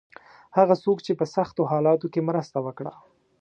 هغه څوک چې په سختو حالاتو کې مرسته وکړه.